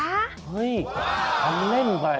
เฮ้ยอันนี้แน่นไป